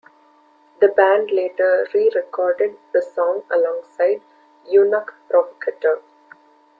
The band later re-recorded the song alongside "Eunuch Provocateur".